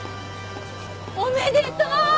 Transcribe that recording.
おめでとう！